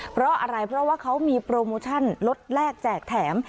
เพราะอะไรเพราะว่าเขามีโปรโมชั่นลดแรกแจกแถม